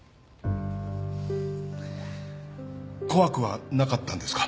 怖くはなかったんですか？